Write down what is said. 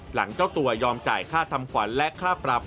หลังเจ้าตัวยอ้อมจ่ายค่าทำความและค่าปรับ